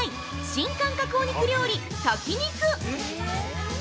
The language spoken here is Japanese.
新感覚お肉料理「炊き肉」」。